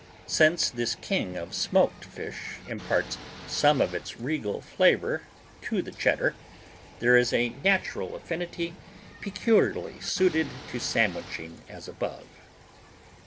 Since this king of smoked fish imparts some of its regal savor to the Cheddar, there is a natural affinity peculiarly suited to sandwiching as above.